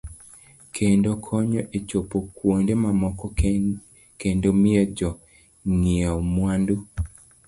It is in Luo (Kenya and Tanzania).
Kendo konyo e chopo kuonde mamoko kendo miyo jo ng'iewo mwandu.